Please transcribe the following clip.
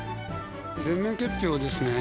全面結氷ですね。